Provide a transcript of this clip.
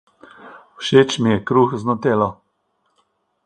Všeč mi je kruh z nutelo.